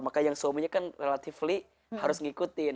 maka yang suaminya kan relatively harus ngikutin